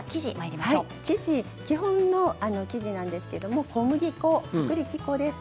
基本の生地なんですけど小麦粉、薄力粉です。